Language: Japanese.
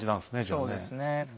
そうですね。